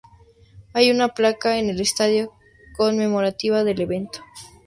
Hay una placa en el estadio conmemorativa del evento.